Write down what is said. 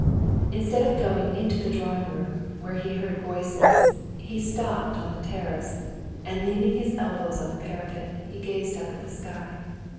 Instead of going into the drawing room, where he heard voices, he stopped on the terrace, and leaning his elbows on the parapet, he gazed up at the sky.